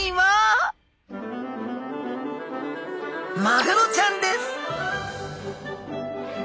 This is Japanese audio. マグロちゃんです！